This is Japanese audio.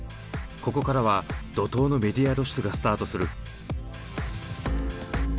ここからは怒涛のメディア露出がスタートする。